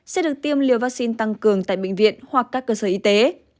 sẽ được tiêm liều vaccine tăng cường tại bệnh viện hoặc các cơ sở y tế